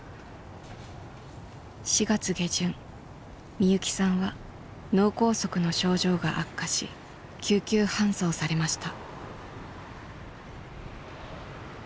みゆきさんは脳梗塞の症状が悪化し救急搬送されました。